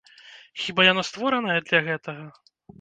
Хіба яно створанае для гэтага?